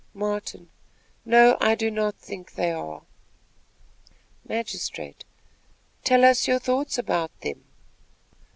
Martin. "No; I do not think they are." Magistrate. "Tell us your thoughts about them."